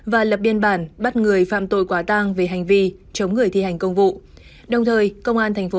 và lập biên bản bắt người phạm tội quá tăng về hành vi chống người thi hành công vụ